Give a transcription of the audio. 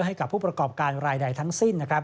ให้กับผู้ประกอบการรายใดทั้งสิ้น